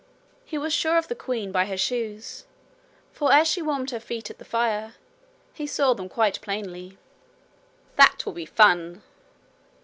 He was sure of the queen by her shoes, for as she warmed her feet at the fire, he saw them quite plainly. 'That will be fun!'